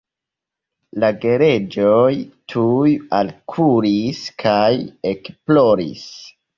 La gereĝoj tuj alkuris kaj ekploris.